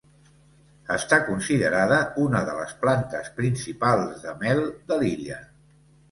Està considerada una de les plantes principals de mel de l'illa.